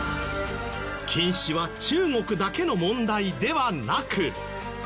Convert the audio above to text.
近視は中国だけの問題ではなく。